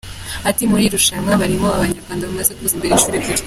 Ati: “Muri iri rushanwa barimo Abanyarwanda bamaze kuza imbere inshuro ebyiri.